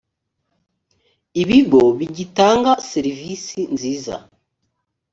ibigo bigitanga serivisi nziza.